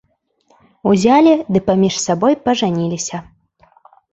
Узялі ды паміж сабой пажаніліся.